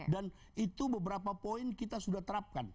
dan itu beberapa poin kita sudah terapkan